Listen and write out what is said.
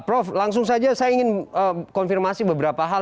prof langsung saja saya ingin konfirmasi beberapa hal